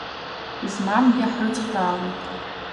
Измамгьы ҳрыцхраауеит.